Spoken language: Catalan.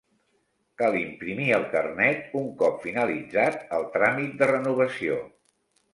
Cal imprimir el carnet un cop finalitzat el tràmit de renovació.